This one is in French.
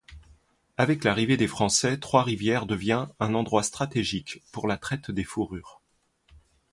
Avec l'arrivée des Français, Trois-Rivières devient un endroit stratégique pour la traite des fourrures.